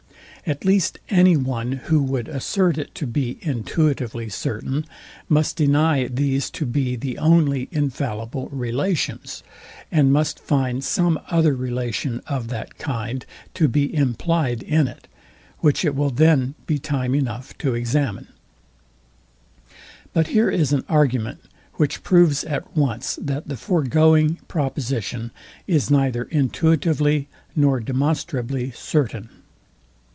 At least any one, who would assert it to be intuitively certain, must deny these to be the only infallible relations, and must find some other relation of that kind to be implyed in it; which it will then be time enough to examine. But here is an argument, which proves at once, that the foregoing proposition is neither intuitively nor demonstrably certain.